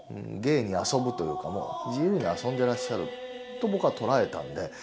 芸に遊ぶというかもう自由に遊んでらっしゃると僕は捉えたんで。